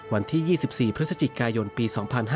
วันที่๒๔พฤศจิกายนปี๒๕๕๙